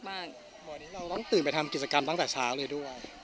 วันนี้เราต้องตื่นไปทำกิจกรรมตั้งแต่เช้าเลยด้วย